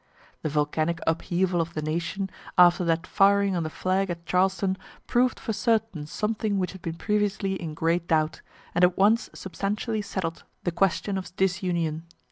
The volcanic upheaval of the nation, after that firing on the flag at Charleston, proved for certain something which had been previously in great doubt, and at once substantially settled the question of disunion.